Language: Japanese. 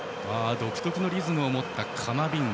独特のリズムを持ったカマビンガ。